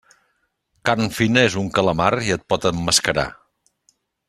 Carn fina és un calamar i et pot emmascarar.